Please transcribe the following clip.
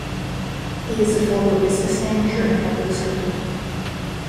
He is a former business manager and public servant.